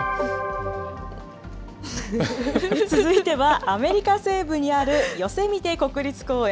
続いては、アメリカ西部にあるヨセミテ国立公園。